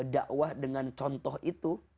da'wah dengan contoh itu